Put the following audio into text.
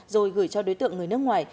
rồi gửi cho đối tượng người nước ngoài